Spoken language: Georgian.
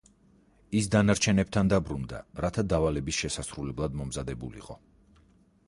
ის დანარჩენებთან დაბრუნდა, რათა დავალების შესასრულებლად მომზადებულიყო.